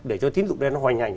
để cho tín dụng đen hoành hành